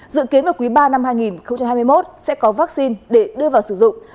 dự kiến vào quý ba năm hai nghìn hai mươi một sẽ có vaccine để đưa vào sử dụng